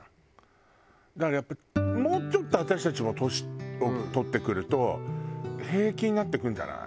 だからやっぱりもうちょっと私たちも年を取ってくると平気になってくるんじゃない？